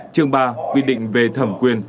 chương ba quy định về thẩm quyền